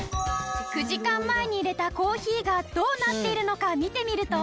９時間前に入れたコーヒーがどうなっているのか見てみると。